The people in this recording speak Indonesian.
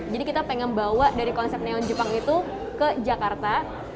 jadi kita pengen bawa dari konsep neon jepang itu ke jakarta